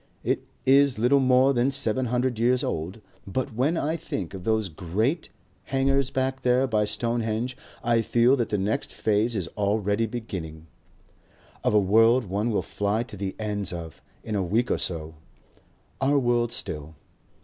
It is little more than seven hundred years old. But when I think of those great hangars back there by Stonehenge, I feel that the next phase is already beginning. Of a world one will fly to the ends of, in a week or so. Our world still.